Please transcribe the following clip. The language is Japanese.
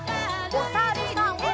おさるさん。